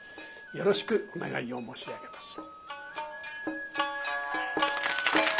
よろしくお願いを申し上げます。